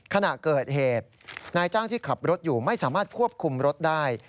ขณะเกิดเหตุนายจ้างที่ขับรถอยู่ไม่สามารถควบคุมรถได้